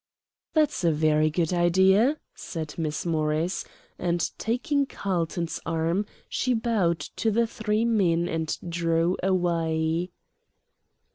"That's a very good idea," said Miss Morris; and taking Carlton's arm, she bowed to the three men and drew away.